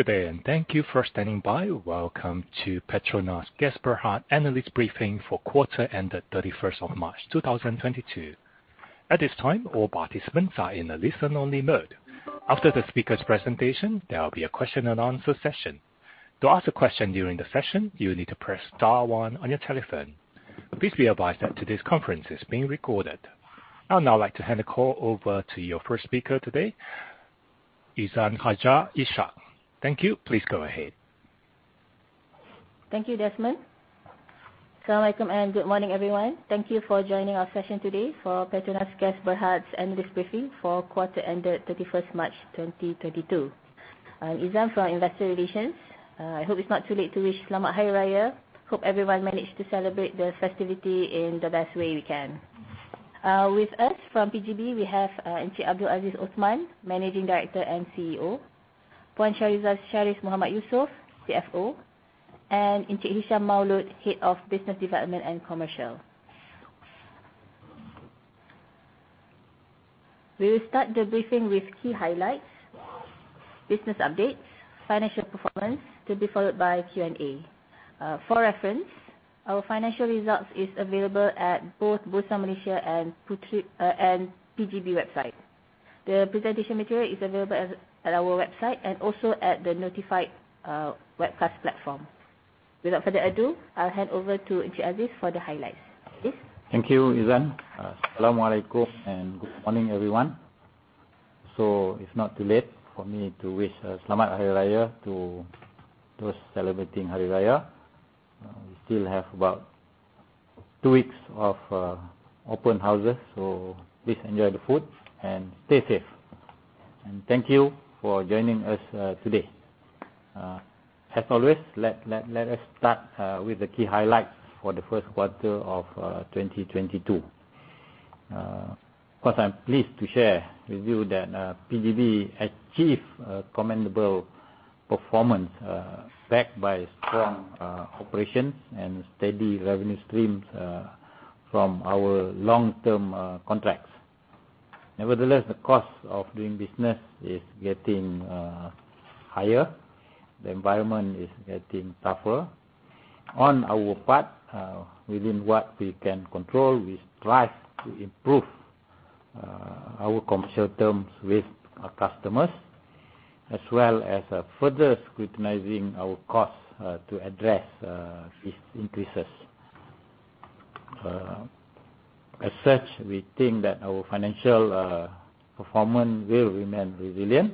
Good day, thank you for standing by. Welcome to PETRONAS Gas Berhad analyst briefing for quarter ended 31st of March 2022. At this time, all participants are in a listen only mode. After the speaker's presentation, there will be a question and answer session. To ask a question during the session, you need to press star one on your telephone. Please be advised that today's conference is being recorded. I would now like to hand the call over to your first speaker today, Izan Hajar Ishak. Thank you. Please go ahead. Thank you, Desmond. Assalamualaikum and good morning, everyone. Thank you for joining our session today for PETRONAS Gas Berhad's analyst briefing for quarter ended 31st March 2022. I'm Izan from Investor Relations. I hope it's not too late to wish Selamat Hari Raya. Hope everyone managed to celebrate the festivity in the best way we can. With us from PGB, we have Encik Abdul Aziz Othman, Managing Director and CEO, Puan Shariza Sharis Mohd Yusof, CFO, and Encik Hisham Maaulot, Head of Business Development and Commercial. We'll start the briefing with key highlights, business updates, financial performance, to be followed by Q&A. For reference, our financial results is available at both Bursa Malaysia and PGB website. The presentation material is available at our website and also at the notified webcast platform. Without further ado, I'll hand over to Encik Aziz for the highlights. Please. Thank you, Izan. Assalamualaikum and good morning, everyone. If not too late for me to wish Selamat Hari Raya to those celebrating Hari Raya. We still have about two weeks of open houses, so please enjoy the food and stay safe. Thank you for joining us today. As always, let us start with the key highlights for the first quarter of 2022. First, I'm pleased to share with you that PGB achieved a commendable performance backed by strong operations and steady revenue streams from our long-term contracts. Nevertheless, the cost of doing business is getting higher. The environment is getting tougher. On our part, within what we can control, we strive to improve our commercial terms with our customers, as well as, further scrutinizing our costs to address these increases. As such, we think that our financial performance will remain resilient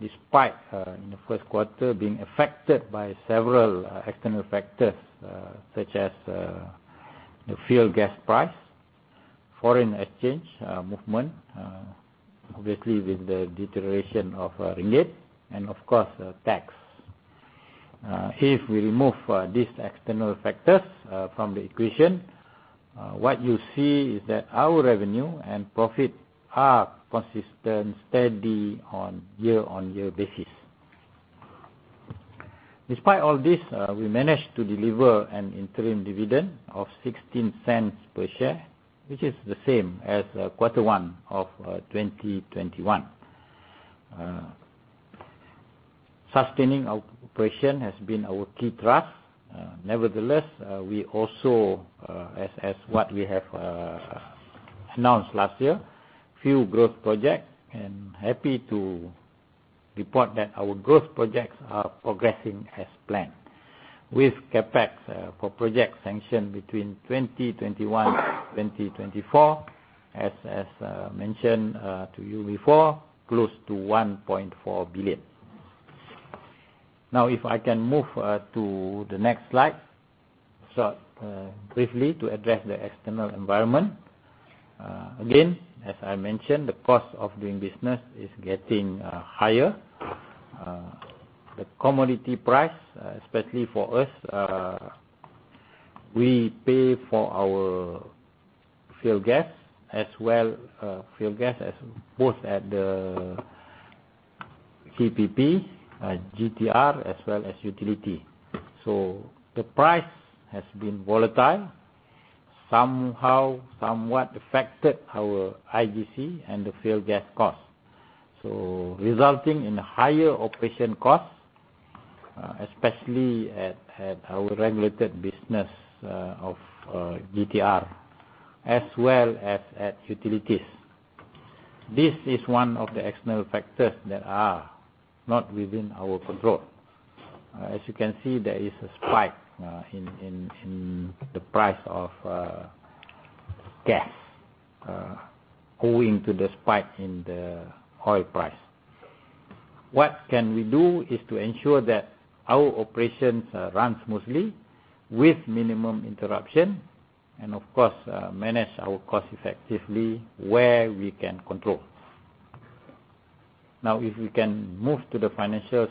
despite in the first quarter being affected by several external factors such as the fuel gas price, foreign exchange movement, obviously with the deterioration of our ringgit and of course, tax. If we remove these external factors from the equation, what you see is that our revenue and profit are consistent, steady on year-on-year basis. Despite all this, we managed to deliver an interim dividend of 0.16 per share, which is the same as Q1 of 2021. Sustaining our operation has been our key drive. Nevertheless, we also, as what we have announced last year, few growth project and happy to report that our growth projects are progressing as planned with CapEx for project sanction between 2021 and 2024, as mentioned to you before, close to 1.4 billion. Now, if I can move to the next slide. Briefly to address the external environment, again, as I mentioned, the cost of doing business is getting higher. The commodity price, especially for us, we pay for our fuel gas as well, fuel gas as both at the CPP, GTR as well as utility. The price has been volatile, somewhat affected our IGC and the fuel gas cost, resulting in higher operation costs, especially at our regulated business of GTR as well as at Utilities. This is one of the external factors that are not within our control. As you can see, there is a spike in the price of gas owing to the spike in the oil price. What we can do is to ensure that our operations run smoothly with minimum interruption and of course, manage our cost effectively where we can control. Now, if we can move to the financial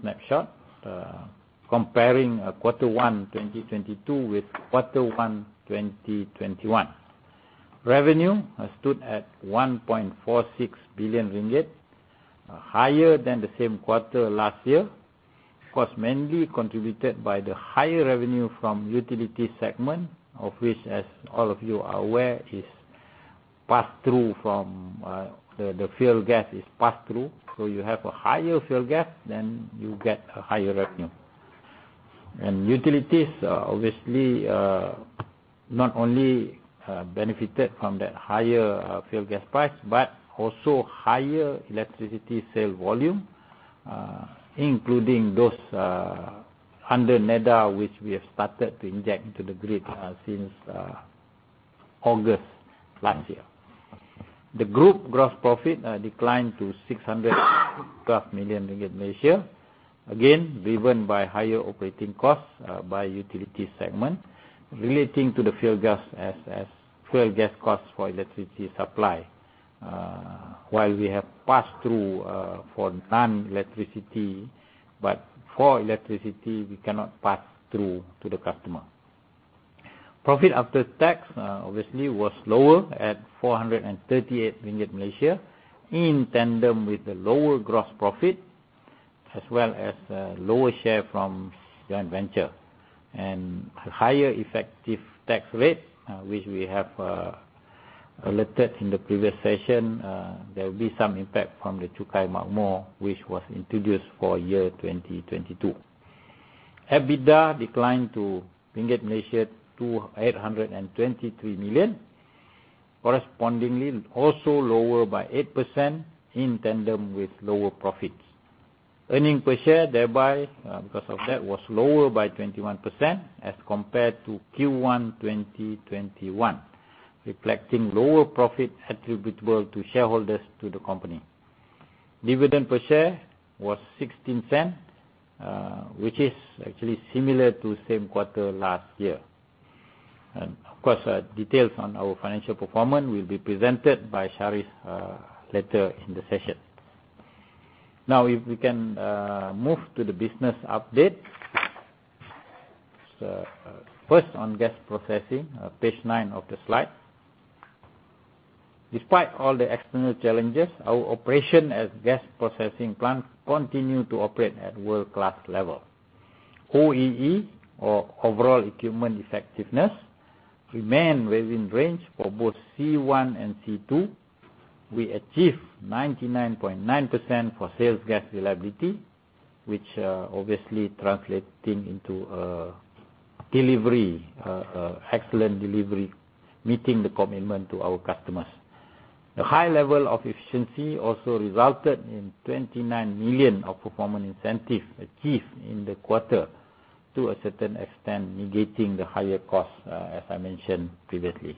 snapshot comparing Q1 2022 with Q1 2021. Revenue stood at 1.46 billion ringgit, higher than the same quarter last year. Of course, mainly contributed by the higher revenue from Utilities segment, of which, as all of you are aware, is pass-through from the fuel gas. So you have a higher fuel gas, then you get a higher revenue. Utilities obviously not only benefited from that higher fuel gas price, but also higher electricity sale volume, including those under NEDA, which we have started to inject into the grid since August last year. The Group gross profit declined to 612 million ringgit, again, driven by higher operating costs by Utilities segment relating to the fuel gas as fuel gas costs for electricity supply. While we have pass-through for non-electricity, but for electricity, we cannot pass-through to the customer. Profit after tax, obviously, was lower at 438 million ringgit in tandem with the lower gross profit, as well as lower share from joint venture. A higher effective tax rate, which we have alerted in the previous session. There will be some impact from the Cukai Makmur, which was introduced for year 2022. EBITDA declined to 823 million. Correspondingly, also lower by 8% in tandem with lower profits. Earnings per share, thereby, because of that, was lower by 21% as compared to Q1 2021, reflecting lower profit attributable to shareholders of the company. Dividend per share was 0.16, which is actually similar to same quarter last year. Of course, details on our financial performance will be presented by Shariza later in the session. Now if we can move to the business update. First on Gas Processing, page nine of the slide. Despite all the external challenges, our operation at Gas Processing plant continue to operate at world-class level. OEE, or overall equipment effectiveness, remain within range for both C1 and C2. We achieve 99.9% for sales gas reliability, which obviously translating into excellent delivery, meeting the commitment to our customers. The high level of efficiency also resulted in 29 million of performance incentive achieved in the quarter, to a certain extent negating the higher costs, as I mentioned previously.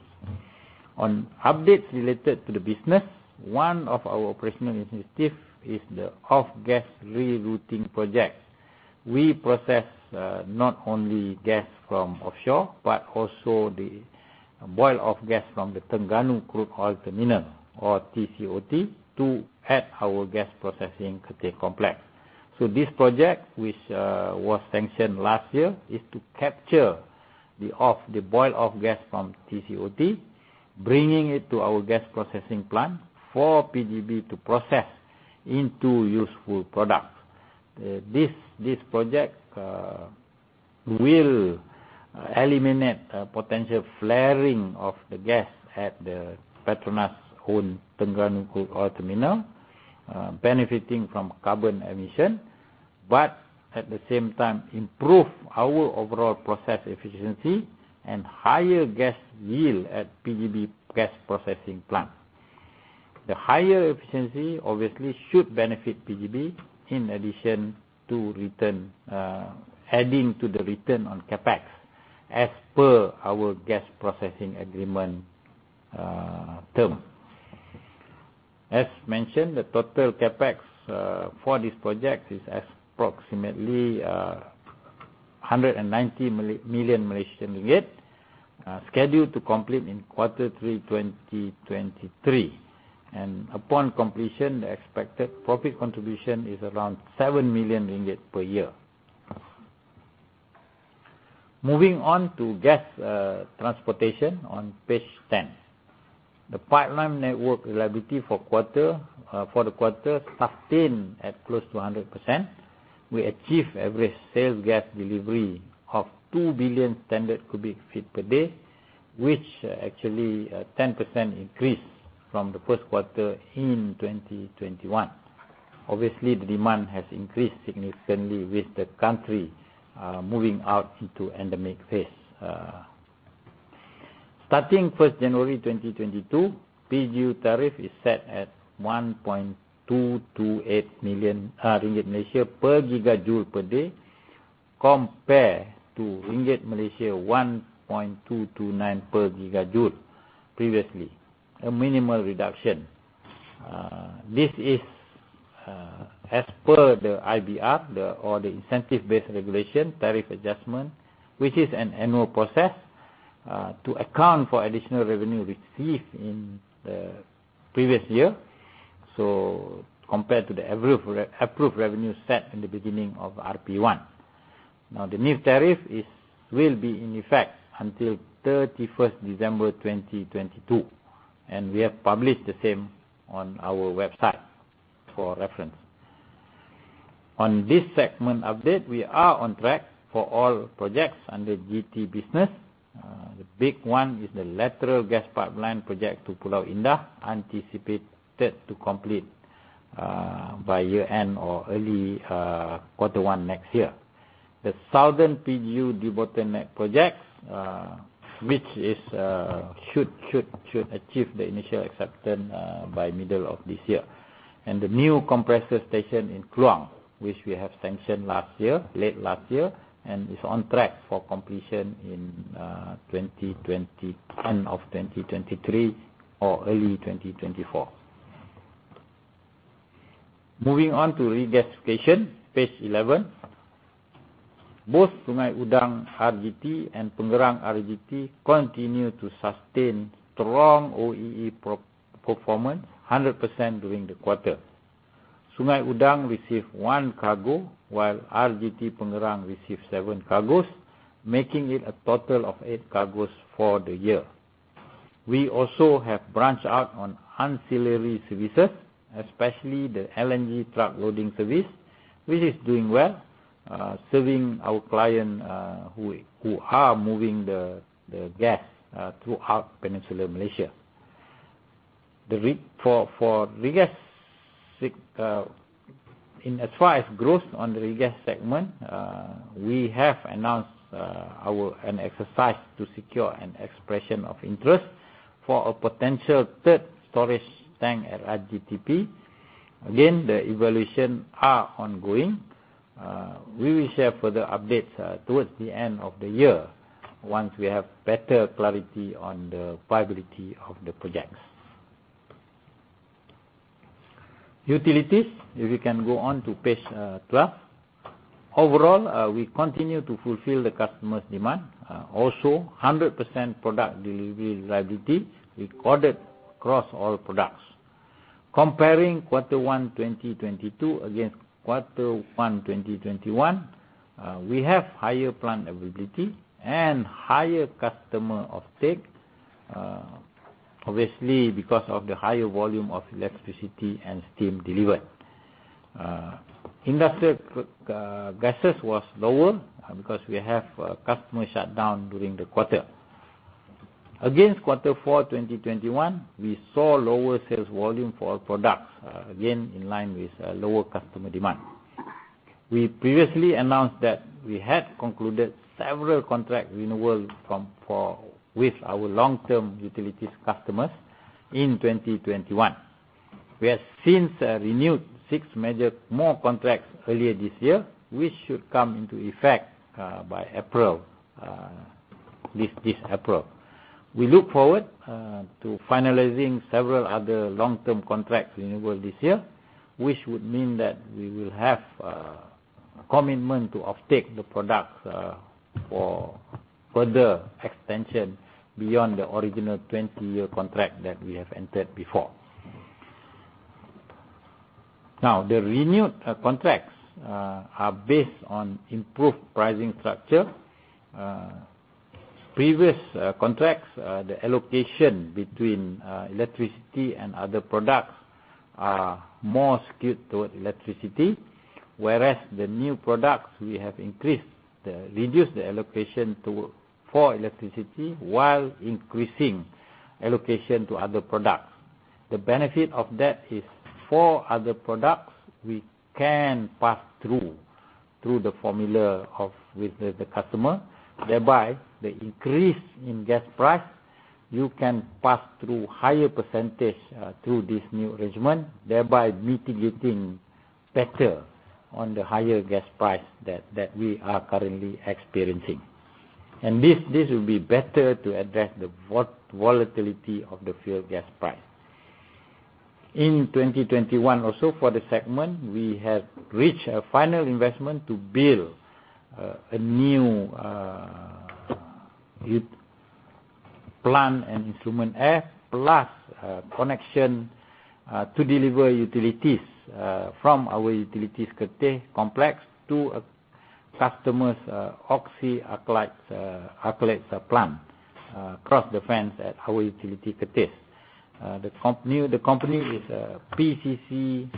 On updates related to the business, one of our operational initiative is the off-gas rerouting project. We process not only gas from offshore, but also the boil-off gas from the Terengganu Crude Oil Terminal, or TCOT, to our Gas Processing Kerteh complex. This project, which was sanctioned last year, is to capture the boil-off gas from TCOT, bringing it to our Gas Processing plant for PGB to process into useful products. This project will eliminate potential flaring of the gas at the PETRONAS-owned Terengganu Crude Oil Terminal, reducing carbon emissions, but at the same time, improve our overall process efficiency and higher gas yield at PGB Gas Processing plant. The higher efficiency obviously should benefit PGB in addition to return, adding to the return on CapEx as per our Gas Processing agreement term. As mentioned, the total CapEx for this project is approximately 190 million Malaysian ringgit, scheduled to complete in Q3 2023. Upon completion, the expected profit contribution is around 7 million ringgit per year. Moving on to Gas Transportation on page 10. The pipeline network reliability for the quarter sustained at close to 100%. We achieve average sales gas delivery of 2 billion scf/d, which actually a 10% increase from the first quarter in 2021. Obviously, the demand has increased significantly with the country moving out into endemic phase. Starting first January 2022, PGU tariff is set at 1.228 GJ/d compared to 1.229 ringgit per gigajoule previously. A minimal reduction. This is as per the IBR, or the incentive-based regulation tariff adjustment, which is an annual process to account for additional revenue received in the previous year, so compared to the approved re-approved revenue set in the beginning of RP1. Now the new tariff will be in effect until 31 December 2022, and we have published the same on our website for reference. On this segment update, we are on track for all projects under GT business. The big one is the lateral gas pipeline project to Pulau Indah, anticipated to complete by year-end or early Q1 next year. The Southern PGU debottleneck projects, which should achieve the initial acceptance by middle of this year. The new compressor station in Kluang, which we have sanctioned last year, late last year, and is on track for completion in end of 2023 or early 2024. Moving on to Regasification, page 11. Both Sungai Udang RGT and Pengerang RGT continue to sustain strong OEE performance, 100% during the quarter. Sungai Udang received one cargo while RGT Pengerang received seven cargos, making it a total of eight cargos for the year. We also have branched out on ancillary services, especially the LNG truck loading service, which is doing well, serving our client, who are moving the gas throughout Peninsula Malaysia. For regas, as far as growth on the regas segment, we have announced our An exercise to secure an expression of interest for a potential third storage tank at RGTP. Again, the evaluation are ongoing. We will share further updates, towards the end of the year once we have better clarity on the viability of the projects. Utilities, if you can go on to page, 12. Overall, we continue to fulfill the customers' demand. Also 100% product delivery reliability recorded across all products. Comparing Q1 2022 against Q1 2021, we have higher plant availability and higher customer offtake, obviously, because of the higher volume of electricity and steam delivered. Industrial gases was lower, because we have a customer shutdown during the quarter. Against Q4, 2021, we saw lower sales volume for our products, again, in line with, lower customer demand. We previously announced that we had concluded several contract renewals with our long-term Utilities customers in 2021. We have since renewed six more major contracts earlier this year, which should come into effect by this April. We look forward to finalizing several other long-term contract renewals this year, which would mean that we will have a commitment to offtake the products for further extension beyond the original 20-year contract that we have entered before. Now, the renewed contracts are based on improved pricing structure. Previous contracts, the allocation between electricity and other products are more skewed towards electricity. Whereas the new contracts we have reduced the allocation to electricity while increasing allocation to other products. The benefit of that is for other products we can pass through through the formula with the customer, thereby the increase in gas price, you can pass through higher percentage through this new arrangement, thereby mitigating better on the higher gas price that we are currently experiencing. This will be better to address the volatility of the fuel gas price. In 2021, also for the segment, we have reached a final investment to build a new plant and instrument F plus connection to deliver Utilities from our Utilities Kerteh complex to a customer's oxyalkylates plant across the fence at our Utilities Kerteh. The company is PCC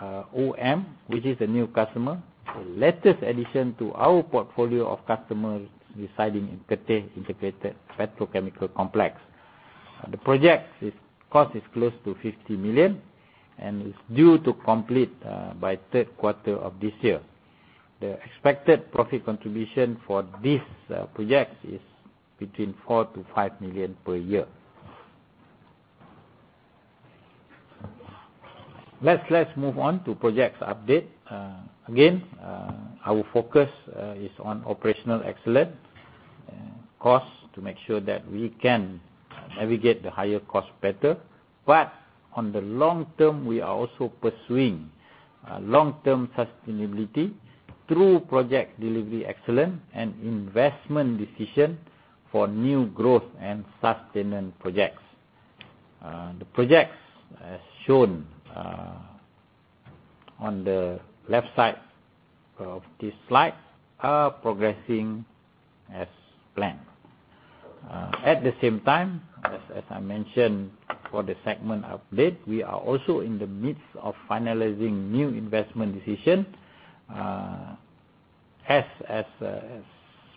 Oxyalkylates Malaysia Sdn Bhd, which is a new customer. The latest addition to our portfolio of customers residing in Kerteh Integrated Petrochemical Complex. The project's cost is close to 50 million, and it's due to complete by third quarter of this year. The expected profit contribution for this project is between 4 million-5 million per year. Let's move on to projects update. Again, our focus is on operational excellence and cost to make sure that we can navigate the higher cost better. On the long term, we are also pursuing long-term sustainability through project delivery excellence and investment decision for new growth and sustainable projects. The projects as shown on the left side of this slide are progressing as planned. At the same time, as I mentioned for the segment update, we are also in the midst of finalizing new investment decision,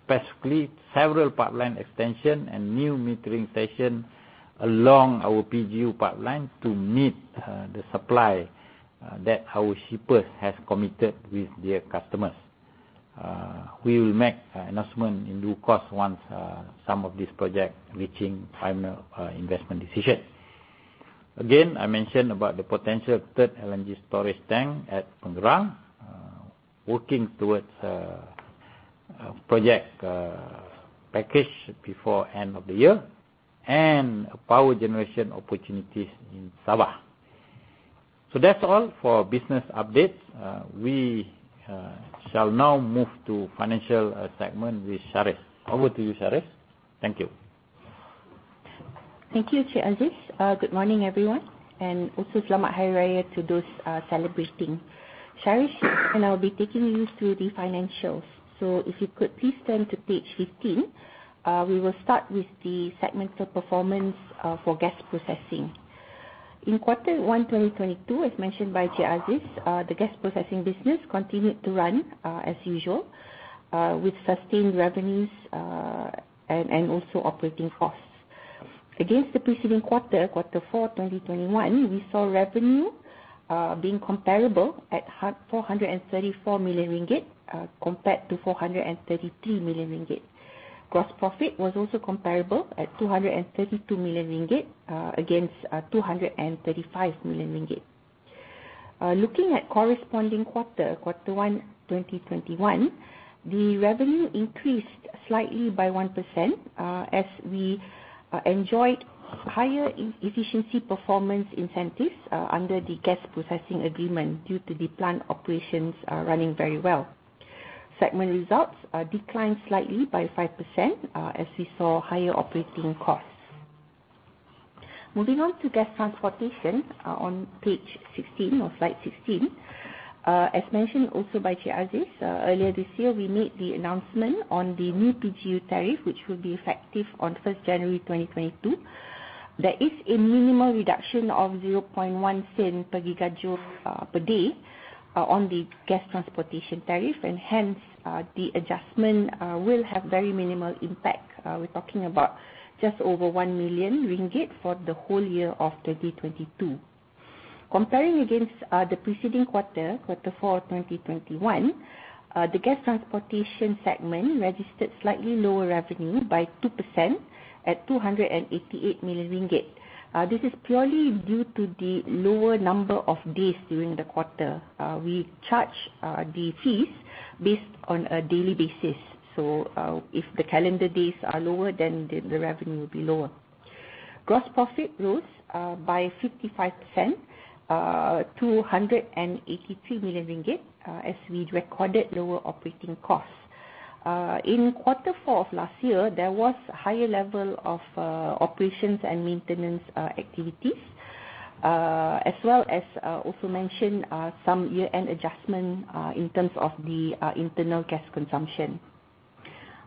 specifically several pipeline extension and new metering station along our PGU pipeline to meet the supply that our shippers has committed with their customers. We will make announcement in due course once some of these project reaching final investment decision. Again, I mentioned about the potential third LNG storage tank at Dungun, working towards project package before end of the year, and power generation opportunities in Sabah. That's all for business updates. We shall now move to financial segment with Shariza. Over to you, Shariza. Thank you. Thank you, Chair Aziz. Good morning, everyone, and also Selamat Hari Raya to those celebrating. Shariza Sharis here, and I'll be taking you through the financials. If you could please turn to page 15. We will start with the segmental performance for Gas Processing. In Q1 2022, as mentioned by Chair Aziz, the Gas Processing business continued to run as usual with sustained revenues and also operating costs. Against the preceding Q4 2021, we saw revenue being comparable at 434 million ringgit compared to 433 million ringgit. Gross profit was also comparable at 232 million ringgit against 235 million ringgit. Looking at corresponding quarter, Q1 2021, the revenue increased slightly by 1%, as we enjoyed higher efficiency performance incentives under the Gas Processing agreement due to the plant operations running very well. Segment results declined slightly by 5%, as we saw higher operating costs. Moving on to Gas Transportation, on page 16 or slide 16. As mentioned also by Chair Aziz, earlier this year, we made the announcement on the new PGU tariff, which will be effective on 1 January 2022. There is a minimal reduction of SEN 0.1 GJ/d on the Gas Transportation tariff. Hence, the adjustment will have very minimal impact. We're talking about just over 1 million ringgit for the whole year of 2022. Comparing against the preceding Q4 2021, the Gas Transportation segment registered slightly lower revenue by 2% at 288 million ringgit. This is purely due to the lower number of days during the quarter. We charge the fees based on a daily basis. If the calendar days are lower, then the revenue will be lower. Gross profit rose by 55%, 283 million ringgit, as we recorded lower operating costs. In Q4 of last year, there was higher level of operations and maintenance activities, as well as also mentioned, some year-end adjustment in terms of the internal gas consumption.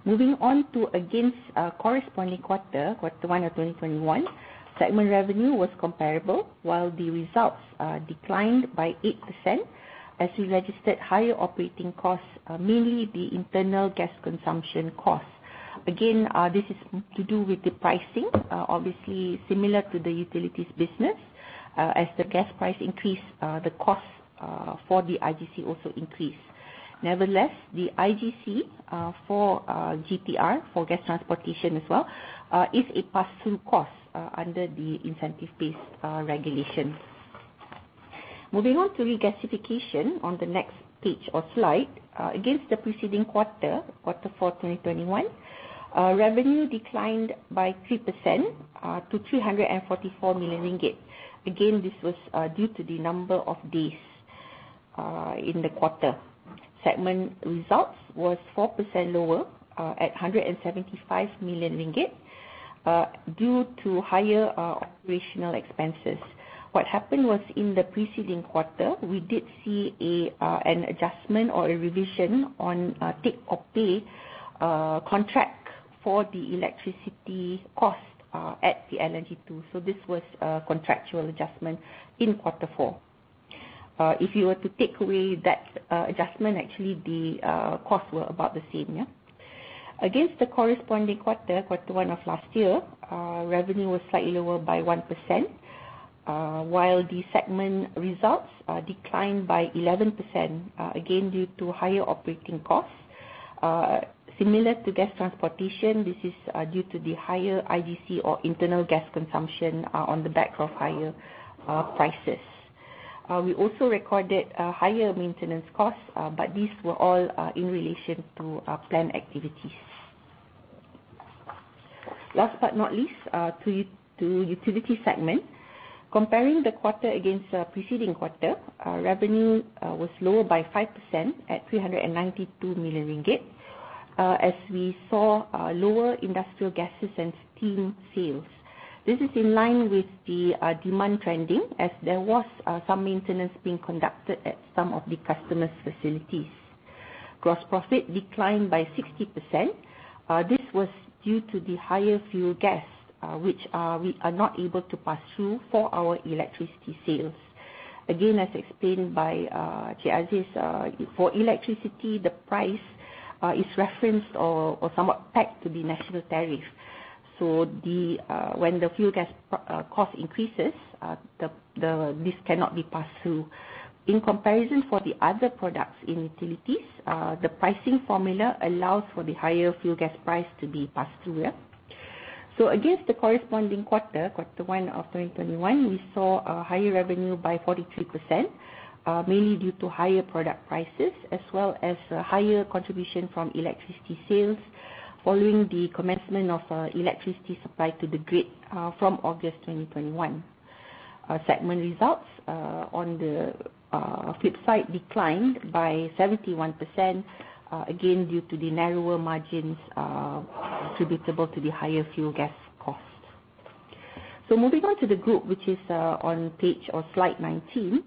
Moving on to against corresponding Q1 of 2021, segment revenue was comparable, while the results declined by 8% as we registered higher operating costs, mainly the internal gas consumption costs. Again, this is to do with the pricing, obviously similar to the Utilities business. As the gas price increase, the cost for the IGC also increase. Nevertheless, the IGC for GTR, for Gas Transportation as well, is a pass-through cost under the incentive-based regulations. Moving on to Regasification on the next page or slide. Against the preceding Q4 2021, revenue declined by 3% to 344 million ringgit. Again, this was due to the number of days in the quarter. Segment results was 4% lower at 175 million ringgit due to higher operational expenses. What happened was, in the preceding quarter, we did see an adjustment or a revision on a take-or-pay contract for the electricity cost at the LNG 2. This was a contractual adjustment in Q4. If you were to take away that adjustment, actually the costs were about the same, yeah. Against the corresponding Q1 of last year, revenue was slightly lower by 1%, while the segment results declined by 11%, again, due to higher operating costs. Similar to Gas Transportation, this is due to the higher IGC, or internal gas consumption, on the back of higher prices. We also recorded higher maintenance costs, but these were all in relation to plant activities. Last but not least, to Utilities segment. Comparing the quarter against the preceding quarter, revenue was lower by 5% at 392 million ringgit, as we saw lower industrial gases and steam sales. This is in line with the demand trending as there was some maintenance being conducted at some of the customers' facilities. Gross profit declined by 60%. This was due to the higher fuel gas, which we are not able to pass through for our electricity sales. Again, as explained by Aziz, for electricity, the price is referenced or somewhat pegged to the national tariff. When the fuel gas cost increases, the. This cannot be passed through. In comparison for the other products in Utilities, the pricing formula allows for the higher fuel gas price to be passed through here. Against the corresponding Q1 of 2021, we saw a higher revenue by 43%, mainly due to higher product prices as well as a higher contribution from electricity sales following the commencement of electricity supply to the grid from August 2021. Our segment results on the flip side declined by 71%, again due to the narrower margins attributable to the higher fuel gas costs. Moving on to the group, which is on page or slide 19.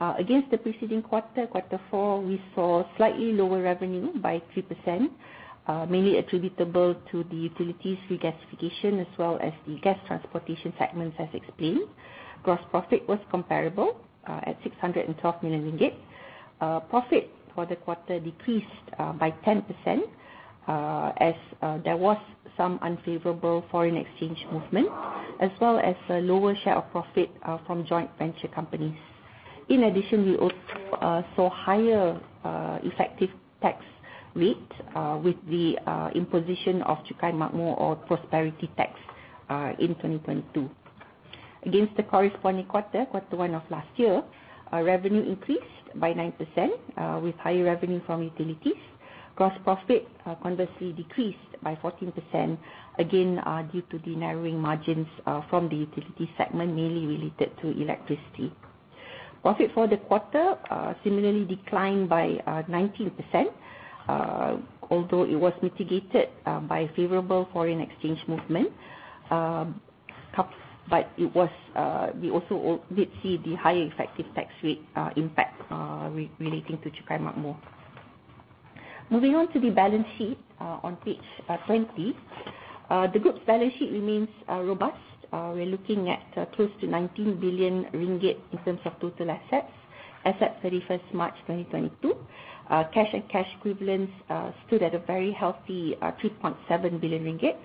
Against the preceding Q4, we saw slightly lower revenue by 3%, mainly attributable to the Utilities Regasification as well as the Gas Transportation segments, as explained. Gross profit was comparable at 612 million ringgit. Profit for the quarter decreased by 10%, as there was some unfavorable foreign exchange movement, as well as a lower share of profit from joint venture companies. In addition, we also saw higher effective tax rate with the imposition of Cukai Makmur or prosperity tax in 2022. Against the corresponding Q1 of last year, our revenue increased by 9%, with higher revenue from Utilities. Gross profit conversely decreased by 14%, again due to the narrowing margins from the utility segment, mainly related to electricity. Profit for the quarter similarly declined by 19%, although it was mitigated by favorable foreign exchange movement, but it was we also did see the higher effective tax rate impact relating to Cukai Makmur. Moving on to the balance sheet on page 20. The group's balance sheet remains robust. We're looking at close to 19 billion ringgit in terms of total assets 31st March 2022. Cash and cash equivalents stood at a very healthy 3.7 billion ringgit.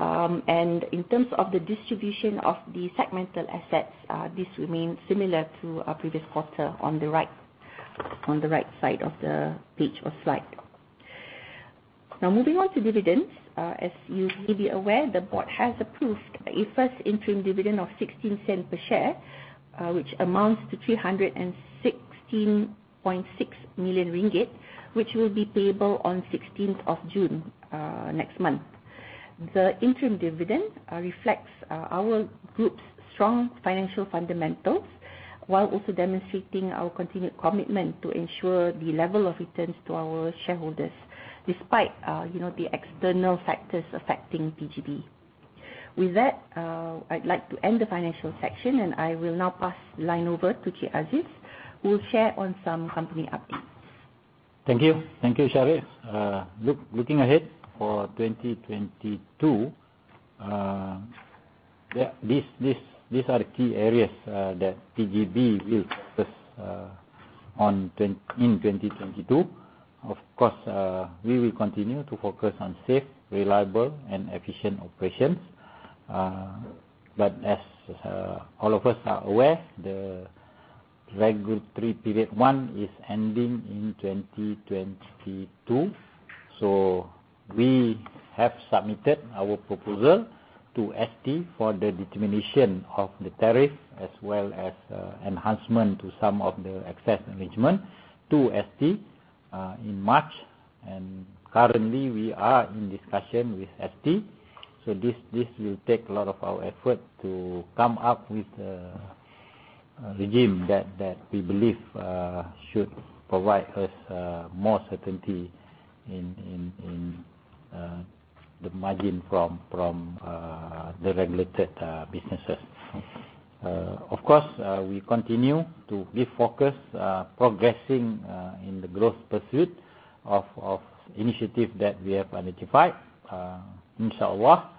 In terms of the distribution of the segmental assets, this remains similar to our previous quarter on the right side of the page or slide. Now moving on to dividends, as you may be aware, the board has approved a first interim dividend of 0.16 per share, which amounts to 316.6 million ringgit, which will be payable on 16th of June next month. The interim dividend reflects our group's strong financial fundamentals while also demonstrating our continued commitment to ensure the level of returns to our shareholders despite, you know, the external factors affecting PGB. With that, I'd like to end the financial section, and I will now pass the line over to Aziz, who will share on some company updates. Thank you. Thank you, Shariza. Looking ahead for 2022, these are the key areas that PGB will focus on in 2022. Of course, we will continue to focus on safe, reliable and efficient operations. As all of us are aware, the Regulatory Period 1 is ending in 2022. We have submitted our proposal to ST for the determination of the tariff as well as enhancement to some of the asset management to ST in March. Currently we are in discussion with ST. This will take a lot of our effort to come up with a regime that we believe should provide us more certainty in the margin from the regulated businesses. Of course, we continue to be focused, progressing, in the growth pursuit of initiative that we have identified. Inshallah,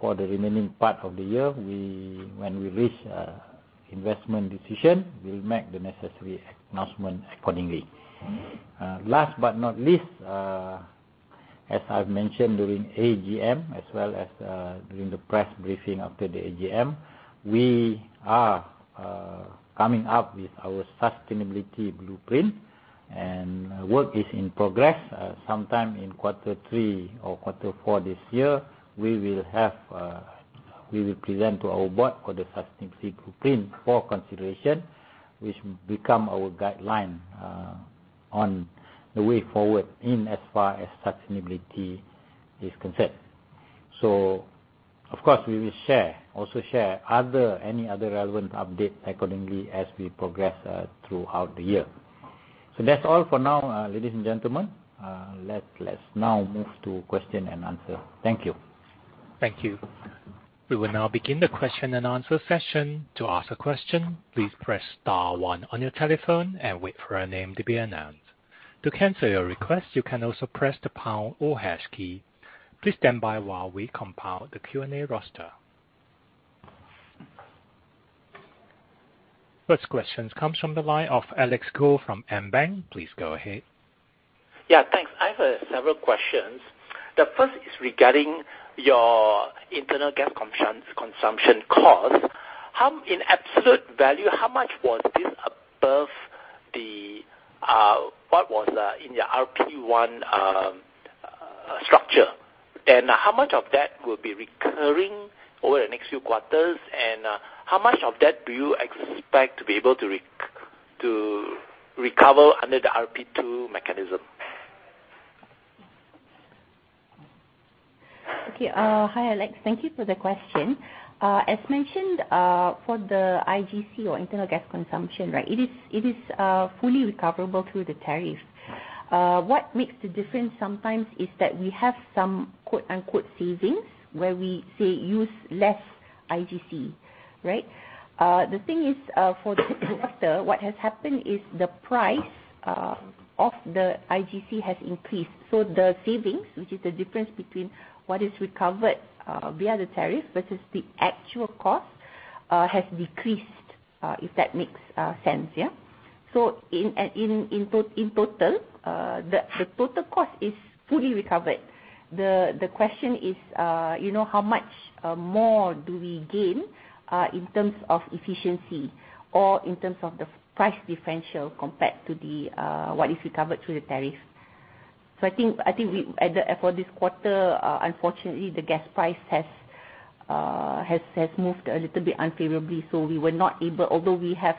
for the remaining part of the year, when we reach investment decision, we'll make the necessary announcement accordingly. Last but not least, as I've mentioned during AGM as well as during the press briefing after the AGM, we are coming up with our sustainability blueprint and work is in progress. Sometime in Q3 or Q4 this year, we will present to our board the sustainability blueprint for consideration, which will become our guideline on the way forward as far as sustainability is concerned. Of course, we will also share any other relevant update accordingly as we progress throughout the year. That's all for now, ladies and gentlemen. Let's now move to question and answer. Thank you. Thank you. We will now begin the question and answer session. To ask a question, please press star one on your telephone and wait for your name to be announced. To cancel your request, you can also press the pound or hash key. Please stand by while we compile the Q&A roster. First question comes from the line of Alex Goh from AmBank. Please go ahead. Yeah, thanks. I have several questions. The first is regarding your internal gas consumption cost. How, in absolute value, how much was this above what was in your RP one structure? And how much of that will be recurring over the next few quarters? And how much of that do you expect to be able to recover under the RP2 mechanism? Okay. Hi, Alex. Thank you for the question. As mentioned, for the IGC or internal gas consumption, right, it is fully recoverable through the tariff. What makes the difference sometimes is that we have some "savings" where we, say, use less IGC, right? The thing is, for the quarter, what has happened is the price of the IGC has increased. So the savings, which is the difference between what is recovered via the tariff versus the actual cost, has decreased, if that makes sense. So in total, the total cost is fully recovered. The question is, you know, how much more do we gain in terms of efficiency or in terms of the feed-price differential compared to what is recovered through the tariff? For this quarter, unfortunately the gas price has moved a little bit unfavorably. Although we have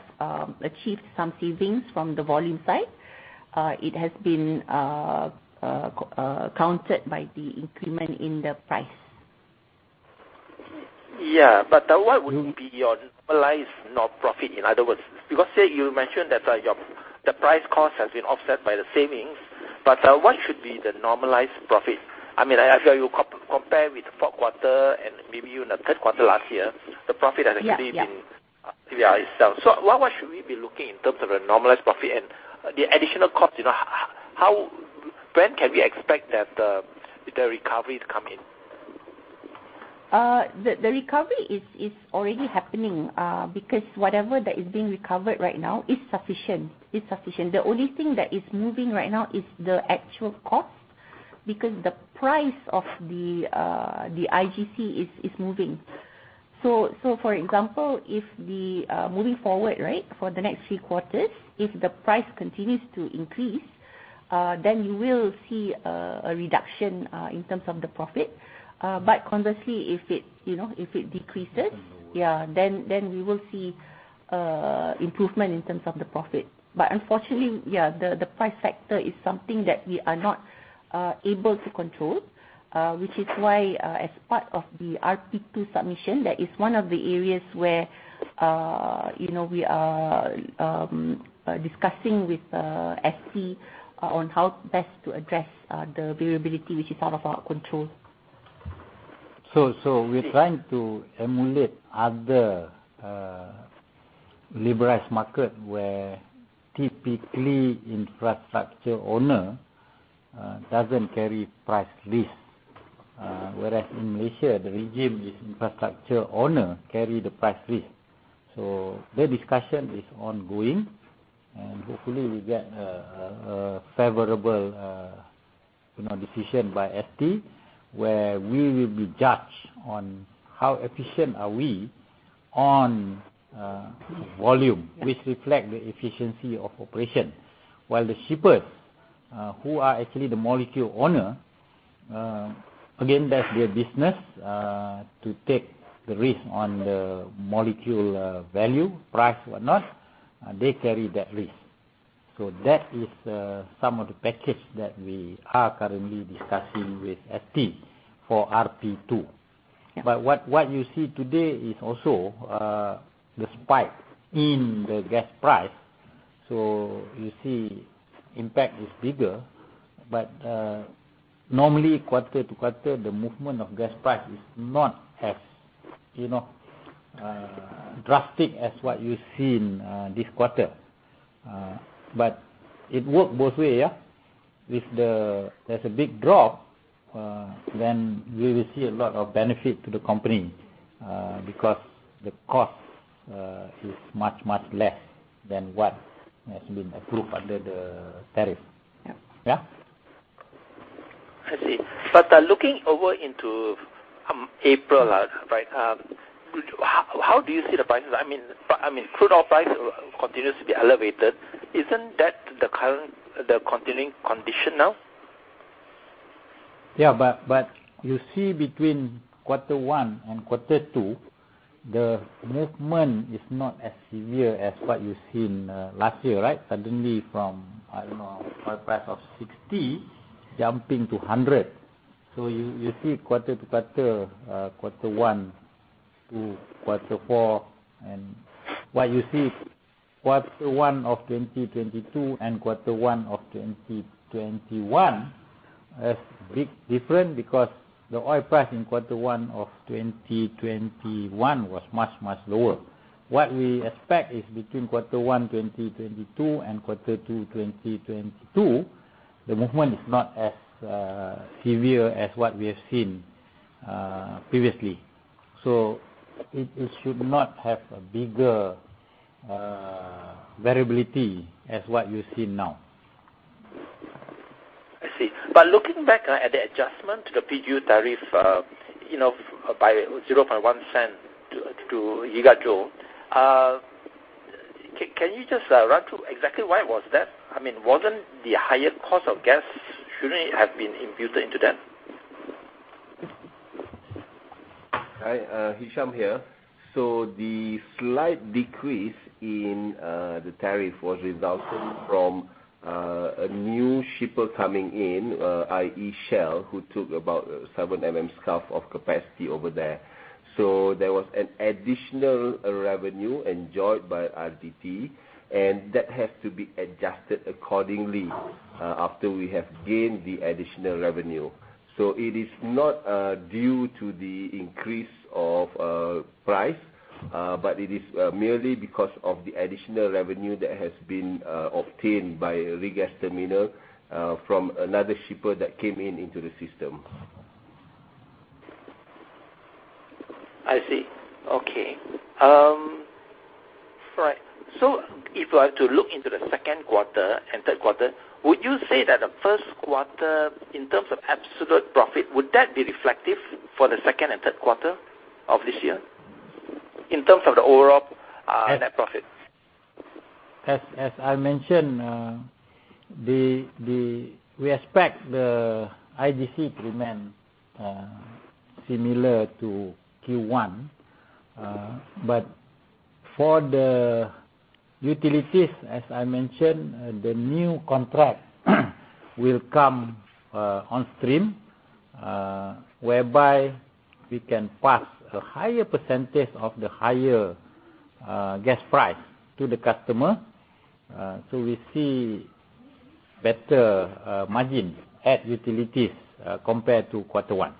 achieved some savings from the volume side, it has been countered by the increment in the price. What would be your normalized net profit, in other words? Because you mentioned that your price cost has been offset by the savings. What should be the normalized profit? I mean, I feel you compare with the fourth quarter and maybe even the third quarter last year. Yeah. Yeah. The profit has actually been. Yeah. Yeah, itself. What should we be looking in terms of a normalized profit and the additional cost, you know? How, when can we expect that the recoveries come in? The recovery is already happening because whatever that is being recovered right now is sufficient. The only thing that is moving right now is the actual cost because the price of the IGC is moving. For example, moving forward, right, for the next three quarters, if the price continues to increase, then you will see a reduction in terms of the profit. Conversely, if it, you know, if it decreases. Mm-hmm. Yeah. We will see improvement in terms of the profit. Unfortunately, yeah, the price factor is something that we are not able to control, which is why, as part of the RP2 submission, that is one of the areas where, you know, we are discussing with SC on how best to address the variability which is out of our control. We're trying to emulate other liberalized market where typically infrastructure owner doesn't carry price risk. Whereas in Malaysia, the regime is infrastructure owner carry the price risk. The discussion is ongoing and hopefully we get a favorable, you know, decision by SC where we will be judged on how efficient are we on volume. Yeah. Which reflect the efficiency of operation. While the shippers, who are actually the molecule owner, again, that's their business to take the risk on the molecule value, price, whatnot, they carry that risk. That is some of the package that we are currently discussing with SC for RP2. Yeah. What you see today is also the spike in the gas price. So you see impact is bigger but normally quarter to quarter the movement of gas price is not as, you know, drastic as what you see in this quarter. But it work both way, yeah. If there's a big drop, then we will see a lot of benefit to the company because the cost is much, much less than what has been approved under the tariff. Yeah. Yeah. I see. Looking over into April, right, how do you see the prices? I mean, crude oil price continues to be elevated. Isn't that the continuing condition now? Yeah. You see between Q1 and Q2 the movement is not as severe as what you've seen last year, right? Suddenly from, I don't know, oil price of $60 jumping to $100. You see quarter-to-quarter, Q1 to Q4. What you see Q1 of 2022 and Q1 of 2021 has big difference because the oil price in Q1 of 2021 was much, much lower. What we expect is between Q1 2022 and Q2 2022, the movement is not as severe as what we have seen previously. It should not have a bigger variability as what you see now. I see. Looking back at the adjustment to the PGU tariff, you know, by SEN 0.1 to gigajoule, can you just run through exactly why it was that? I mean, wasn't the higher cost of gas? Shouldn't it have been imputed into that? Hi, Hisham here. The slight decrease in the tariff was resulting from a new shipper coming in, i.e. Shell, who took about 7 MMscfd of capacity over there. There was an additional revenue enjoyed by RGT, and that has to be adjusted accordingly, after we have gained the additional revenue. It is not due to the increase of price, but it is merely because of the additional revenue that has been obtained by Regas Terminal, from another shipper that came in, into the system. I see. Okay. Right. If I have to look into the second quarter and third quarter, would you say that the first quarter, in terms of absolute profit, would that be reflective for the second and third quarter of this year in terms of the overall, net profit? As I mentioned, we expect the IGC to remain similar to Q1. For the Utilities, as I mentioned, the new contract will come on stream, whereby we can pass a higher percentage of the higher gas price to the customer, so we see better margin at Utilities, compared to Q1.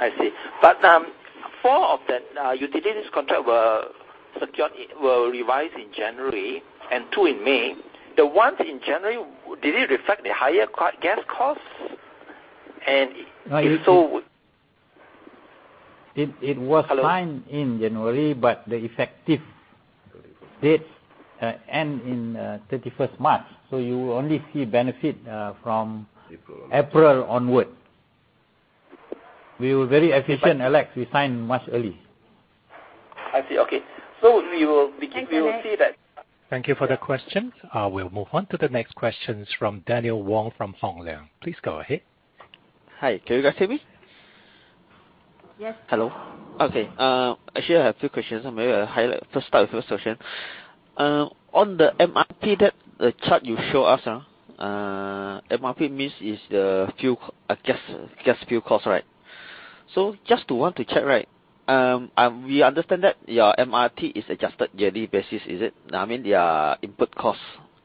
I see. Four of the Utilities contracts were secured and revised in January and two in May. The ones in January, did it reflect the higher gas costs? And if so- It was signed in January, but the effective date ended on thirty-first March. You will only see benefit from April onward. We were very efficient, Alex. We signed much earlier. I see. Okay. Thanks a lot. We will see that. Thank you for the question. We'll move on to the next questions from Daniel Wong from Hong Leong Investment Bank. Please go ahead. Hi. Can you guys hear me? Yes. Hello. Okay. Actually, I have two questions. Maybe I'll highlight. First, start with the first question. On the MRP, the chart you show us, MRP means the fuel gas fuel cost, right? So just want to check, right, we understand that your MRP is adjusted on a yearly basis, is it? I mean, your input cost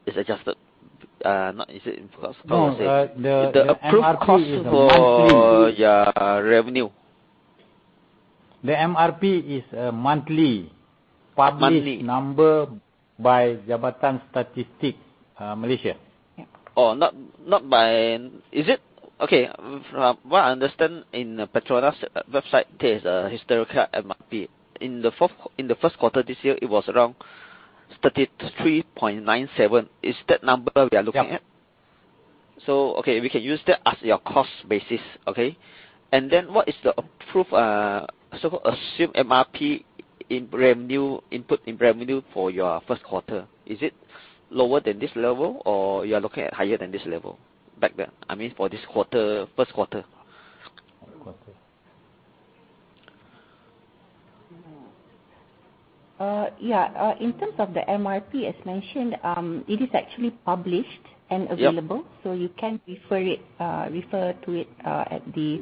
is adjusted. Or is it the input cost? How to say? No. The MRP is a monthly. The approved cost for our revenue. The MRP is a monthly. Monthly. Published number by Jabatan Statistic Malaysia. From what I understand in PETRONAS website, there is a historical MRP. In the first quarter this year it was around 33.97. Is that number we are looking at? Yep. Okay, we can use that as your cost basis. Okay. Then what is the approved so assume MRP in revenue, input in revenue for your first quarter? Is it lower than this level or you're looking at higher than this level back then? I mean, for this quarter, first quarter. First quarter. In terms of the MRP, as mentioned, it is actually published and available. Yep. You can refer to it at the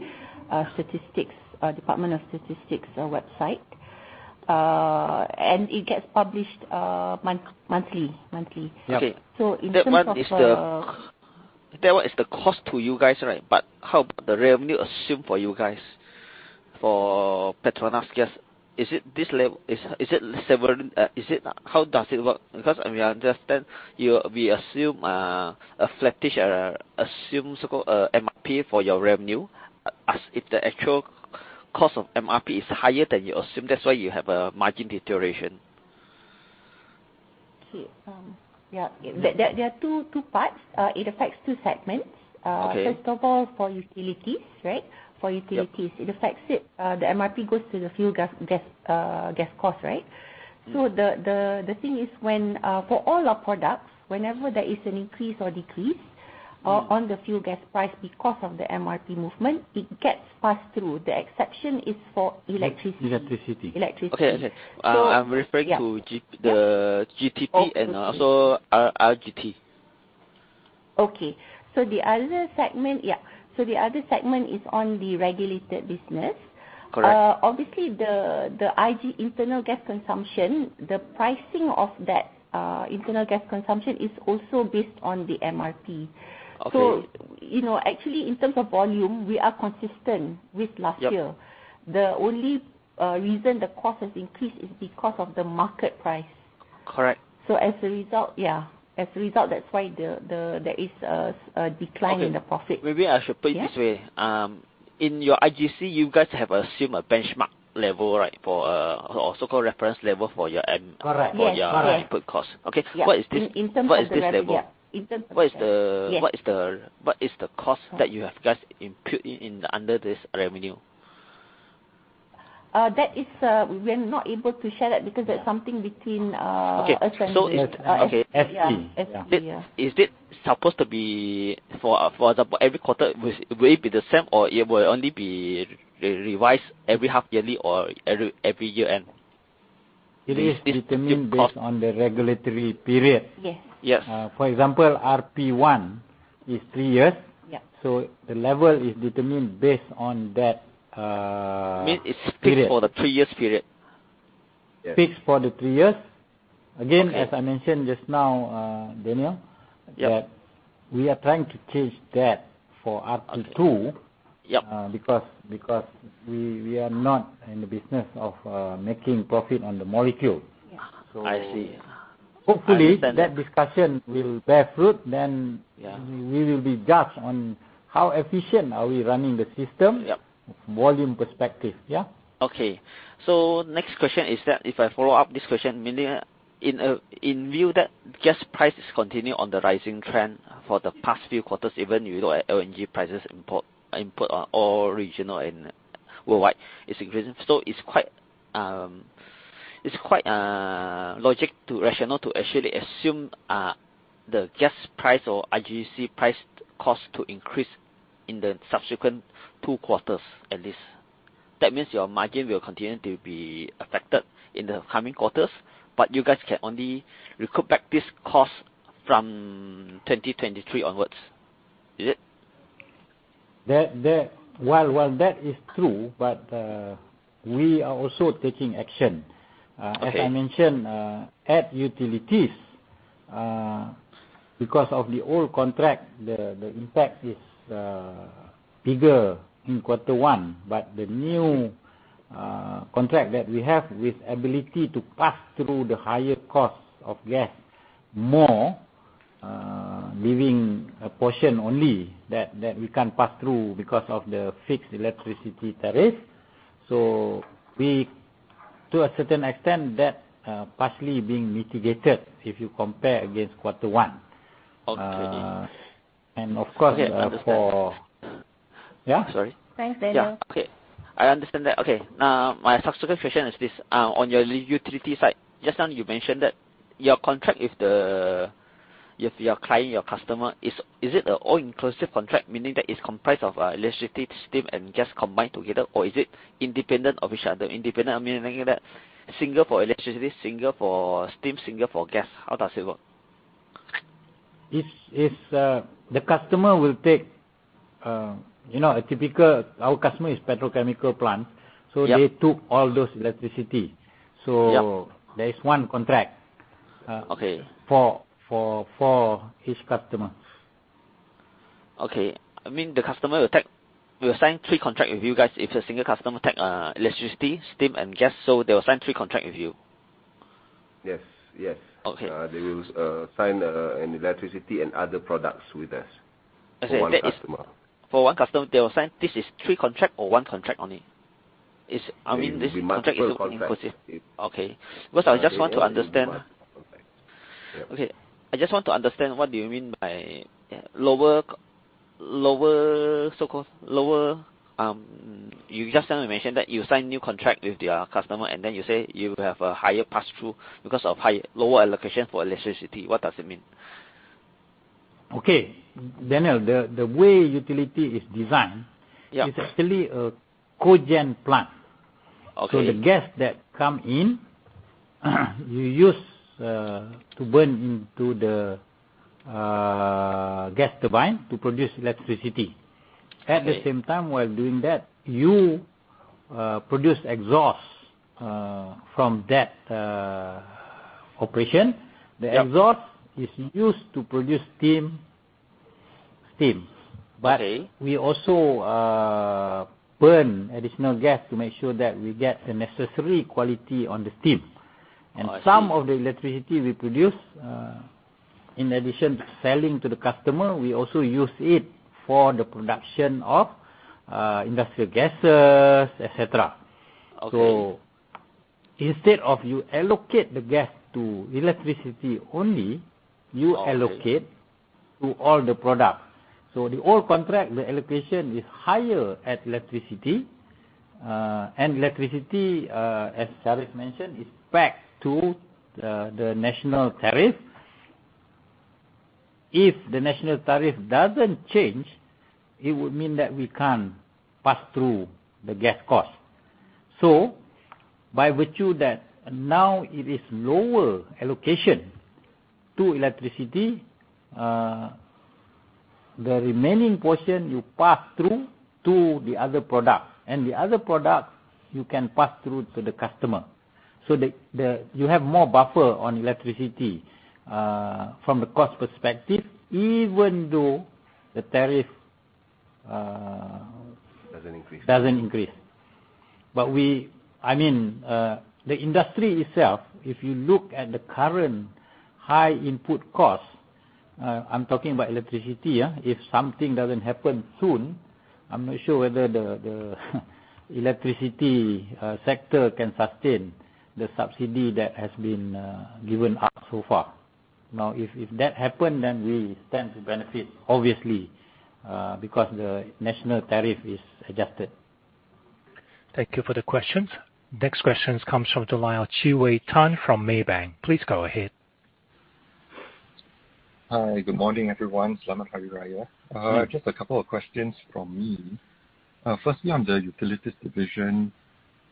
Department of Statistics website. It gets published monthly. Okay. In terms of- That one is the cost to you guys, right? How about the revenue assumed for you guys for PETRONAS Gas? Is it this level? Is it seven? How does it work? Because if we understand, we assume a flat-ish, assume so-called MRP for your revenue, as if the actual cost of MRP is higher than you assume. That's why you have a margin deterioration. Okay. Yeah. There are two parts. It affects two segments. Okay. First of all, for Utilities, right? For Utilities. Yep. It affects it. The MRP goes to the fuel gas cost, right? The thing is when for all our products, whenever there is an increase or decrease on the fuel gas price because of the MRP movement, it gets passed through. The exception is for electricity. Electricity. Electricity. Okay. Okay. So- I'm referring to G- Yeah. Yeah. The GTP and also RGT. The other segment, yeah, is on the regulated business. Correct. Obviously, the IG, internal gas consumption, the pricing of that, internal gas consumption is also based on the MRP. Okay. You know, actually, in terms of volume, we are consistent with last year. Yep. The only reason the cost has increased is because of the market price. Correct. As a result, that's why there is a decline. Okay. In the profit. Maybe I should put it this way. Yeah. In your IGC, you guys have assumed a benchmark level, right? For, or so-called reference level for your m- Correct. Yes. Correct For your input cost. Okay. Yeah. What is this? In terms of the re- What is this level? Yeah. In terms of the- What is the- Yes. What is the cost that you have just input in, under this revenue? That is, we are not able to share that because that's something between us and. Okay. It's FP. Yeah. Okay. Yeah. Is it supposed to be for every quarter, will it be the same or it will only be revised every half yearly or every year end? It is determined based on the Regulatory Period. Yes. Yes. For example, RP1 is three years. Yeah. The level is determined based on that period. It's fixed for the three-year period. Fixed for the three years. Okay. Again, as I mentioned just now, Daniel. Yep. That we are trying to change that for RP2. Okay. Yep. Because we are not in the business of making profit on the molecule. Yes. I see. So hopefully- I understand. That discussion will bear fruit, then. Yeah We will be judged on how efficient we are running the system. Yep. Volume perspective. Yeah. Okay. Next question is that if I follow up this question, meaning, in view that gas prices continue on the rising trend for the past few quarters, even you look at LNG prices import on all regional and worldwide is increasing. It's quite logical to rationalize to actually assume the gas price or IGC price cost to increase in the subsequent two quarters at least. That means your margin will continue to be affected in the coming quarters, but you guys can only recoup back this cost from 2023 onwards. Is it? While that is true, but we are also taking action. Okay. As I mentioned, at Utilities, because of the old contract, the impact is bigger in Q1. But the new contract that we have with ability to pass through the higher cost of gas more, leaving only a portion that we can pass through because of the fixed electricity tariff. So, to a certain extent, that's partially being mitigated if you compare against Q1. Okay. Of course for- Okay. I understand. Yeah? Sorry. Thanks, Daniel. Yeah. Okay. I understand that. Okay. Now, my subsequent question is this. On your utility side, just now you mentioned that your contract with the, with your client, your customer, is it a all-inclusive contract, meaning that it's comprised of, electricity, steam and gas combined together? Or is it independent of each other? Independent, I mean that single for electricity, single for steam, single for gas. How does it work? It's the customer will take, you know, a typical. Our customer is petrochemical plant. Yep. They took all those electricity. Yep. There is one contract. Okay for each customer. I mean, the customer will sign three contract with you guys. If a single customer take electricity, steam and gas, so they will sign three contract with you? Yes. Yes. Okay. They will sign an electricity and other products with us. I say that is. For one customer. For one customer, they will sign this as three contracts or one contract only? I mean, this contract is inclusive. It will be multiple contract. Okay. Because I just want to understand. Yeah. Okay. I just want to understand what do you mean by, yeah, lower, so-called lower. You just now mentioned that you sign new contract with your customer and then you say you have a higher pass through because of higher, lower allocation for electricity. What does it mean? Okay. Daniel, the way utility is designed. Yep It's actually a Cogen plant. Okay. The gas that come in, you use to burn into the gas turbine to produce electricity. Okay. At the same time, while doing that, you produce exhaust from that operation. Yep. The exhaust is used to produce steam. Okay. We also burn additional gas to make sure that we get the necessary quality on the steam. I see. Some of the electricity we produce, in addition to selling to the customer, we also use it for the production of industrial gases, etc. Okay. Instead of you allocate the gas to electricity only. Okay. You allocate to all the products. The old contract, the allocation is higher at electricity. Electricity, as Shariza mentioned, is pegged to the national tariff. If the national tariff doesn't change, it would mean that we can't pass through the gas cost. By virtue that now it is lower allocation to electricity, the remaining portion you pass through to the other product and the other product you can pass through to the customer. You have more buffer on electricity from the cost perspective, even though the tariff. Doesn't increase. Doesn't increase. I mean, the industry itself, if you look at the current high input costs, I'm talking about electricity, yeah. If something doesn't happen soon, I'm not sure whether the electricity sector can sustain the subsidy that has been given thus far. Now, if that happened, then we stand to benefit obviously, because the national tariff is adjusted. Thank you for the questions. Next questions comes from the line of Chi Wei Tan from Maybank. Please go ahead. Hi, good morning, everyone. Yeah. Just a couple of questions from me. Firstly, on the utilities division,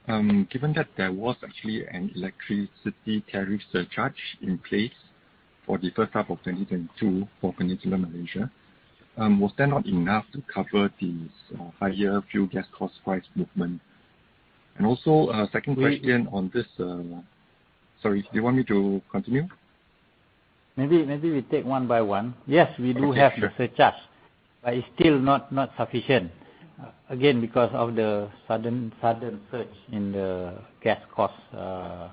given that there was actually an electricity tariff surcharge in place for the first half of 2022 for Peninsular Malaysia, was there not enough to cover these higher fuel gas cost price movement? Also, second question on this. Sorry, do you want me to continue? Maybe we take one by one. Okay. Sure. Yes, we do have the surcharge, but it's still not sufficient, again, because of the sudden surge in the gas costs, Chi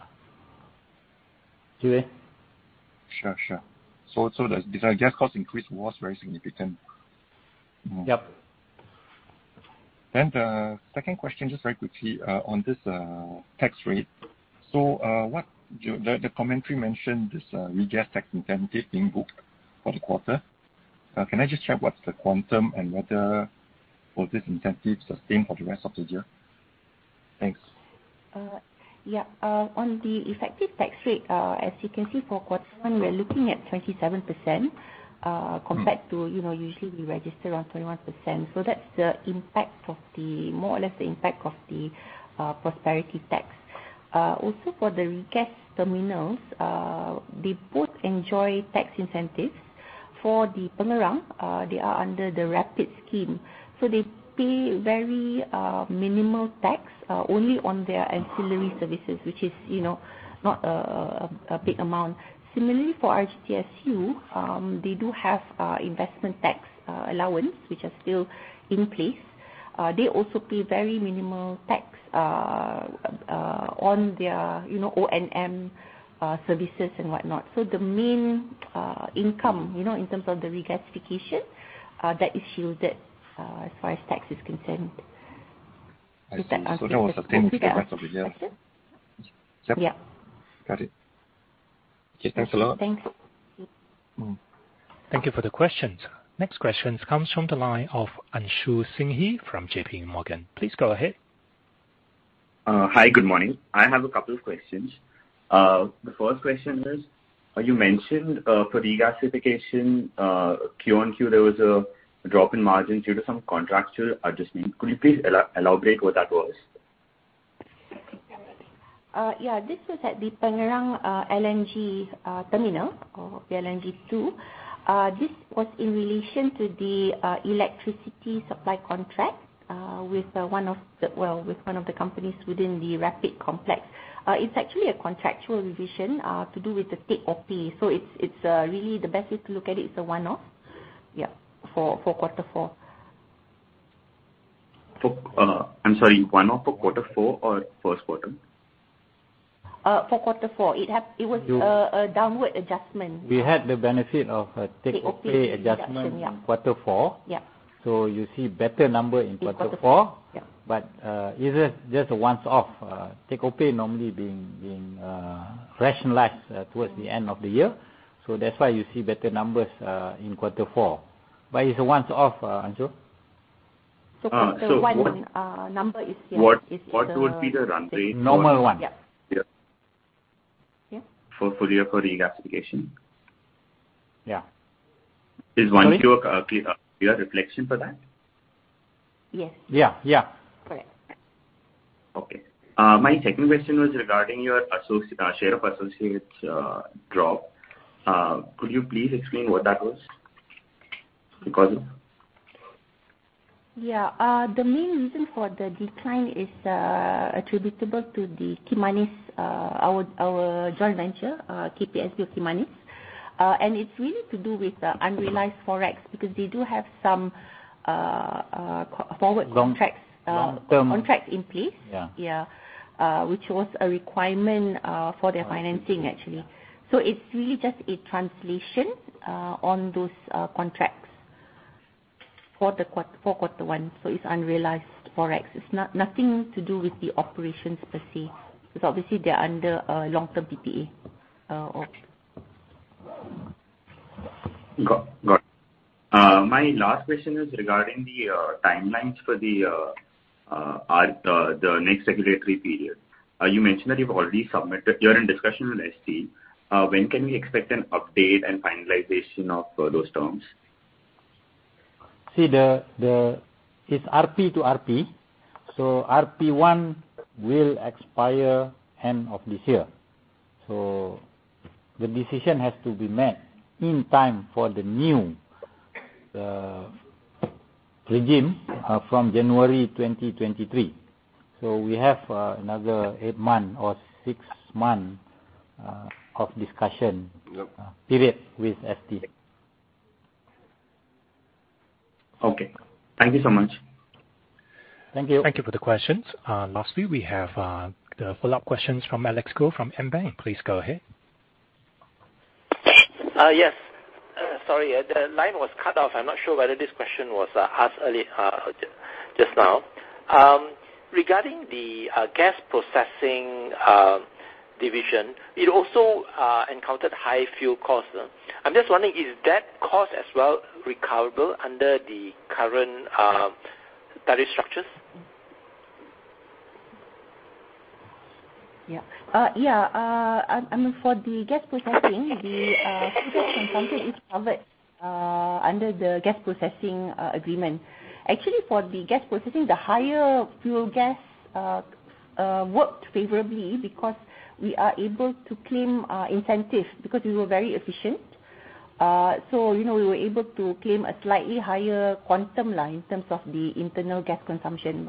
Wei. Sure. The gas cost increase was very significant. Yep. The second question, just very quickly, on this tax rate. What the commentary mentioned this regas tax incentive being booked for the quarter. Can I just check what's the quantum and whether was this incentive sustained for the rest of the year? Thanks. Yeah. On the effective tax rate, as you can see for Q1, we are looking at 27%, compared to, you know, usually we register around 21%. So that's more or less the impact of the Prosperity Tax. Also for the regas terminals, they both enjoy tax incentives. For the Pengerang, they are under the RAPID scheme, so they pay very minimal tax, only on their ancillary services, which is, you know, not a big amount. Similarly for RGTSU, they do have investment tax allowance which are still in place. They also pay very minimal tax on their, you know, O&M services and whatnot. The main income, you know, in terms of the Regasification, that is shielded as far as tax is concerned. I see. Does that answer your question? That was the thing for the rest of the year. Yeah. Yep. Got it. Okay. Thanks a lot. Thanks. Thank you for the questions. Next questions comes from the line of Anshul Singhvi from JPMorgan. Please go ahead. Hi. Good morning. I have a couple of questions. The first question is, you mentioned, for Regasification, Q-on-Q, there was a drop in margin due to some contractual adjustment. Could you please elaborate what that was? Yeah. This was at the Pengerang LNG terminal or PLNG2. This was in relation to the electricity supply contract with one of the... well, with one of the companies within the RAPID complex. It's actually a contractual revision to do with the take-or-pay. It's really the best way to look at it's a one-off, yeah, for Q4. I'm sorry, one-off for Q4 or first quarter? For Q4. You- It was a downward adjustment. We had the benefit of a take-or-pay adjustment. Take-or-pay reduction. Yeah. In Q4. Yeah. You see better numbers in Q4. In Q4. Yeah. It is just a one-off take-or-pay normally being rationalized towards the end of the year. That's why you see better numbers in Q4. It's a one-off, Anshul. Q1 number is- What would be the run rate for? Normal one. Yeah. Yeah. Yeah. For year for Regasification. Yeah. Is 1Q a clear reflection for that? Yes. Yeah. Yeah. Correct. Okay. My second question was regarding your share of associates drop. Could you please explain what that was? The cause? The main reason for the decline is attributable to the Kimanis, our joint venture, KPSB of Kimanis. It's really to do with the unrealized Forex because they do have some forward contracts. Long-term. Contracts in place. Yeah. Yeah. Which was a requirement for their financing actually. It's really just a translation on those contracts for Q1, it's unrealized Forex. It's nothing to do with the operations per se, because obviously they're under a long-term DPA, of- Got it. My last question is regarding the timelines for the next regulatory period. You mentioned that you've already submitted, you're in discussion with ST. When can we expect an update and finalization of those terms? It's RP to RP. RP1 will expire end of this year. The decision has to be made in time for the new regime from January 2023. We have another eight month or six month of discussion. Yep. Regulatory Period with ST. Okay. Thank you so much. Thank you. Thank you for the questions. Lastly, we have the follow-up questions from Alex Go from AmBank. Please go ahead. Yes. Sorry, the line was cut off. I'm not sure whether this question was asked earlier, just now. Regarding the Gas Processing division, it also encountered high fuel costs. I'm just wondering, is that cost as well recoverable under the current tariff structures? Yeah. Yeah. I mean, for the Gas Processing, the fuel gas consumption is covered under the Gas Processing worked favorably because we are able to claim incentive because we were very efficient. You know, we were able to claim a slightly higher quantum line in terms of the Internal Gas Consumption.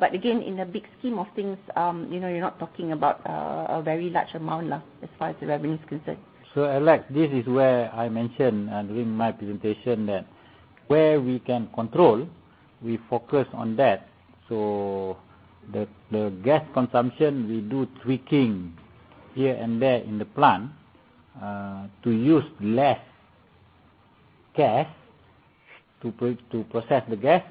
Again, in the big scheme of things, you know, you're not talking about a very large amount left as far as the revenue is concerned. Alex, this is where I mentioned during my presentation that where we can control, we focus on that. The gas consumption, we do tweaking here and there in the plant to use less gas to process the gas.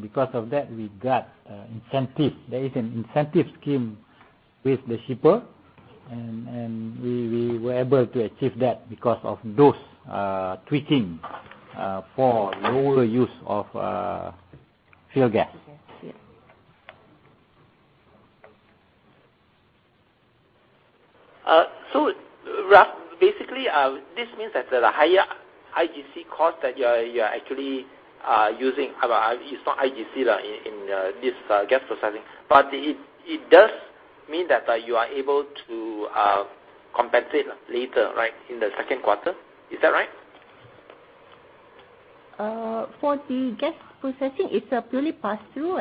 Because of that, we got incentive. There is an incentive scheme with the shipper, and we were able to achieve that because of those tweaking for lower use of fuel gas. Yes. Yeah. Basically, this means that the higher IGC cost that you're actually using. It's not IGC in this Gas Processing. It does mean that you are able to compensate later, right, in the second quarter? Is that right? For the Gas Processing, it's a purely pass-through.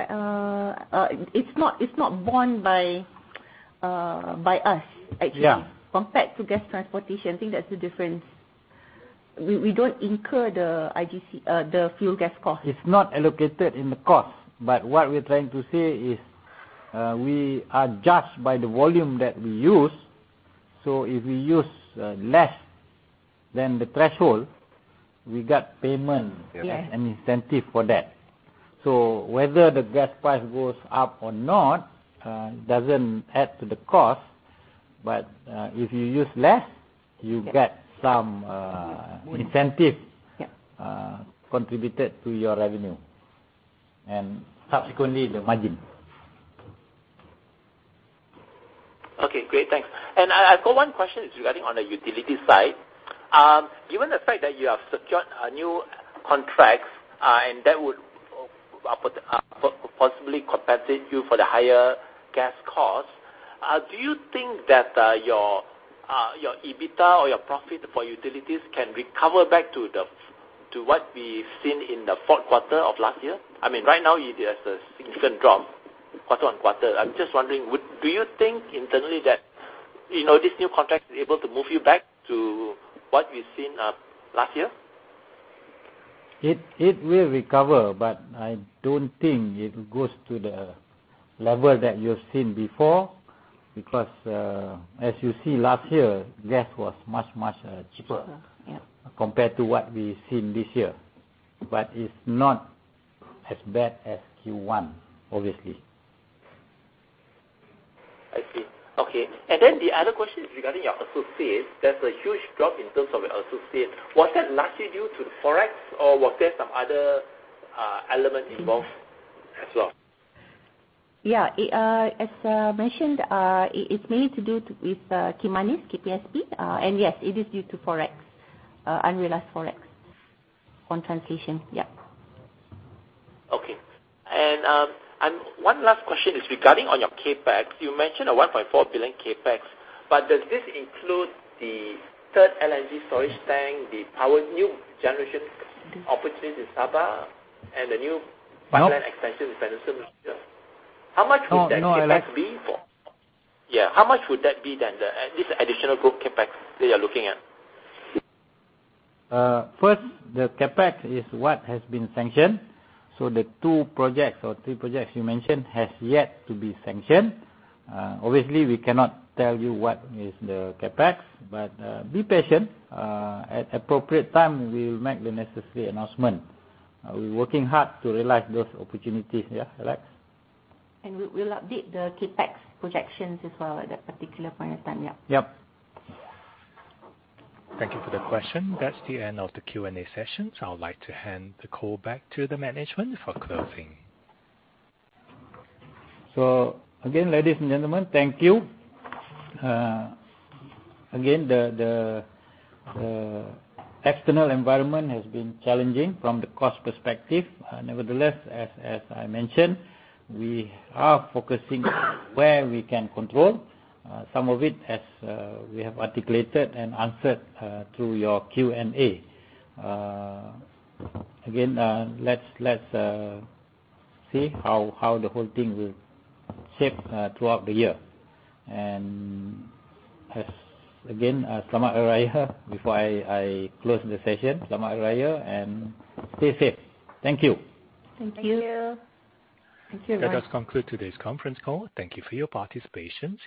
It's not borne by us actually. Yeah. Compared to Gas Transportation. I think that's the difference. We don't incur the IGC, the fuel gas cost. It's not allocated in the cost. What we're trying to say is, we are judged by the volume that we use. If we use less than the threshold, we get payment. Yeah. Yes. Incentive for that. Whether the gas price goes up or not, doesn't add to the cost. If you use less- Yes. You get some incentive. Yeah. Contributed to your revenue, and subsequently the margin. Okay, great. Thanks. I've got one question regarding the utility side. Given the fact that you have secured new contracts and that would possibly compensate you for the higher gas costs, do you think that your EBITDA or your profit for Utilities can recover back to what we've seen in the fourth quarter of last year? I mean, right now it has a significant drop quarter-on-quarter. I'm just wondering, do you think internally that, you know, this new contract is able to move you back to what we've seen last year? It will recover, but I don't think it goes to the level that you've seen before because, as you see last year, gas was much, much cheaper. Cheaper. Yeah. Compared to what we've seen this year. It's not as bad as Q1, obviously. I see. Okay. The other question is regarding your associates. There's a huge drop in terms of your associates. Was that largely due to the Forex or was there some other element involved as well? Yeah. As mentioned, it's mainly to do with Kimanis, KPSB. Yes, it is due to forex, unrealized forex on translation. Yeah. Okay. One last question is regarding on your CapEx. You mentioned a 1.4 billion CapEx, but does this include the third LNG storage tank, the power new generation opportunities in Sabah and the new- No. Power plant expansion in Peninsular Malaysia? How much would that CapEx be for- No, no, Alex. Yeah. How much would that be then, this additional group CapEx that you're looking at? First, the CapEx is what has been sanctioned. The two projects or three projects you mentioned has yet to be sanctioned. Obviously, we cannot tell you what is the CapEx. Be patient. At appropriate time, we will make the necessary announcement. We're working hard to realize those opportunities. Yeah, Alex? We'll update the CapEx projections as well at that particular point in time. Yeah. Yeah. Thank you for the question. That's the end of the Q&A session. I would like to hand the call back to the management for closing. Again, ladies and gentlemen, thank you. Again, the external environment has been challenging from the cost perspective. Nevertheless, as I mentioned, we are focusing where we can control some of it as we have articulated and answered through your Q&A. Again, let's see how the whole thing will shape throughout the year. As again, Selamat Hari Raya, before I close the session. Selamat Hari Raya, and stay safe. Thank you. Thank you. Thank you. That does conclude today's conference call. Thank you for your participation.